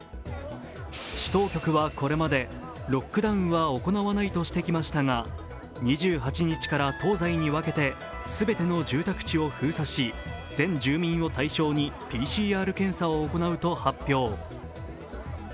市当局はこれまでロックダウンは行わないとしてきましたが、２８日から東西に分けて全ての住宅地を封鎖し全住民を対象にＰＣＲ検査を行うと発表。